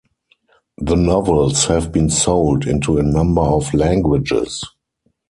The novels have been sold into a number of languages.